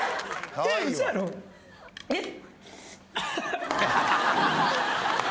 えっ？